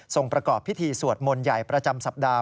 ประกอบพิธีสวดมนต์ใหญ่ประจำสัปดาห